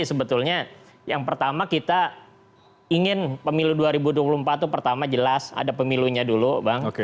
jadi sebetulnya yang pertama kita ingin pemilu dua ribu dua puluh empat itu pertama jelas ada pemilunya dulu bang